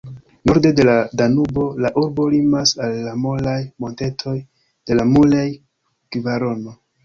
Norde de la Danubo la urbo limas al la molaj montetoj de la Mulej-kvarono.